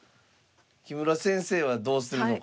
木村先生はどうするのか。